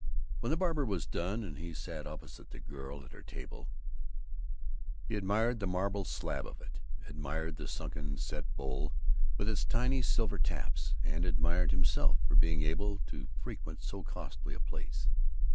When the barber was done and he sat opposite the girl at her table, he admired the marble slab of it, admired the sunken set bowl with its tiny silver taps, and admired himself for being able to frequent so costly a place.